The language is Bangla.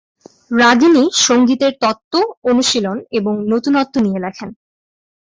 রাগিনী সংগীতের তত্ত্ব, অনুশীলন এবং নতুনত্ব নিয়ে লেখেন।